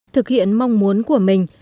thực hiện mong muốn của mình